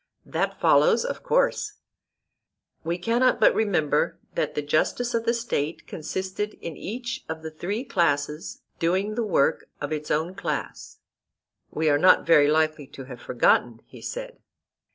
That follows, of course. We cannot but remember that the justice of the State consisted in each of the three classes doing the work of its own class? We are not very likely to have forgotten, he said.